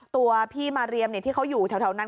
ตัวพี่มาเรียมที่เขาอยู่แถวนั้น